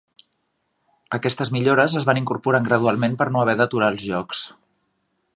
Aquestes millores es van incorporant gradualment per no haver d'aturar els jocs.